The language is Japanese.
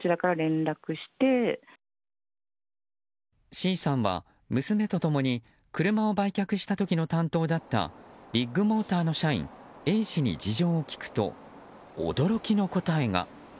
Ｃさんは娘と共に車を売却した時の担当だったビッグモーターの社員Ａ氏に事情を聴くと驚きの答えが。